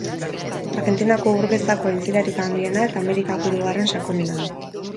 Argentinako ur gezako aintzirarik handiena eta Amerikako hirugarren sakonena da.